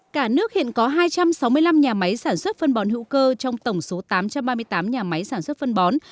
cả nước hiện có hai trăm sáu mươi năm nhà máy sản xuất phân bón hữu cơ trong tổng số tám trăm ba mươi tám nhà máy sản xuất phân bó